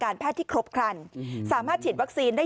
แพทย์ที่ครบครันสามารถฉีดวัคซีนได้